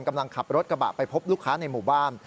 กำลังขับรถกระบะไปพบลูกค้าในหมู่บ้าน